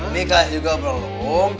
nikah juga belum